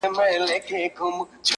ویل خدایه تا ویل زه دي پالمه-